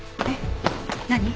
えっ何？